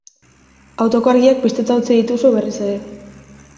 Autoko argiak piztuta utzi dituzu berriz ere.